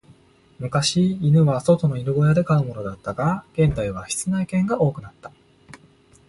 昔、犬は外の犬小屋で飼うものだったが、現代は室内犬が多くなった。